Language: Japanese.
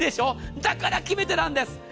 だから、決め手なんです。